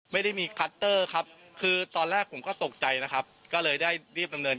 ไม่ได้มีคัตเตอร์ครับคือตอนแรกผมก็ตกใจนะครับก็เลยได้รีบดำเนิน